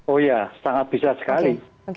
oh iya sangat bisa sekali